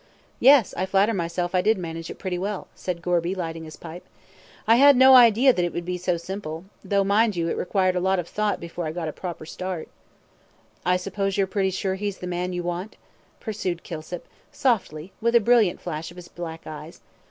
"Yes; I flatter myself I did manage it pretty well," said Gorby, lighting his pipe. "I had no idea that it would be so simple though, mind you, it required a lot of thought before I got a proper start." "I suppose you're pretty sure he's the man you want?" pursued Kilsip, softly, with a brilliant flash of his black eyes.